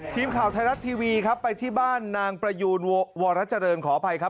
ทีมข่าวไทยรัฐทีวีครับไปที่บ้านนางประยูนวรเจริญขออภัยครับ